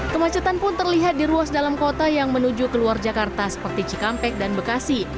kemacetan pun terlihat di ruas dalam kota yang menuju ke luar jakarta seperti cikampek dan bekasi